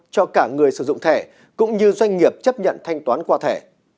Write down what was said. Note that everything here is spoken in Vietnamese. cho cả người sử dụng thẻ cũng như doanh nghiệp chấp nhận thanh toán qua thẻ